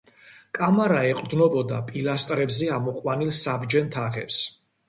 კამარა ეყრდნობოდა პილასტრებზე ამოყვანილ საბჯენ თაღებს.